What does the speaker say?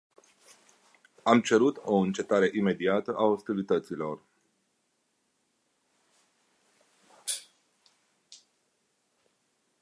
Am cerut o încetare imediată a ostilităților.